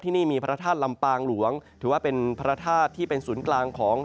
ที่นี่มีพระธาตุลำปางหลวงถือว่าเป็นพระธาตุที่เป็นศูนย์กลางของ